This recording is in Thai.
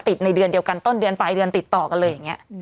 ในเดือนเดียวกันต้นเดือนปลายเดือนติดต่อกันเลยอย่างนี้